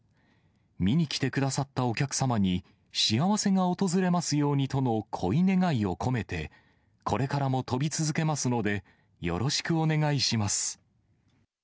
見に来てくださったお客様に幸せが訪れますようにとのこいねがいを込めて、これからも飛び続けますので、よろしくお願いします！